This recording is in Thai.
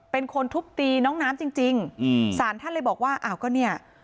เป็นคนทุบตีน้องน้ำจริงจริงอืมสารท่านเลยบอกว่าอ้าวก็เนี่ย